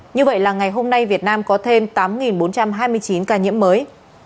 như vậy là ngày hôm nay việt nam có thêm tám bốn trăm hai mươi chín ca nhiễm mới